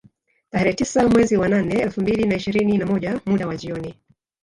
Tarehe tisa mwezi wa nane elfu mbili na ishirini na moja muda wa jioni